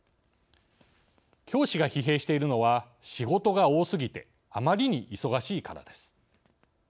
教師が疲弊しているのは仕事が多すぎてあまりに忙しいからです。